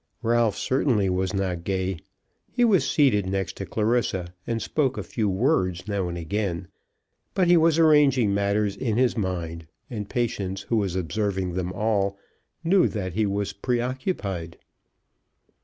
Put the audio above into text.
Ralph certainly was not gay. He was seated next to Clarissa, and spoke a few words now and again; but he was arranging matters in his mind; and Patience, who was observing them all, knew that he was pre occupied.